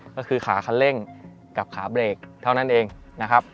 ก็คือขาคันเร่งกับขาเบรกเท่านั้นเองนะครับ